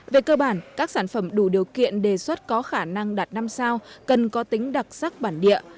về cơ bản các sản phẩm đủ điều kiện đề xuất có khả năng đạt năm sao cần có tính đặc sắc bản địa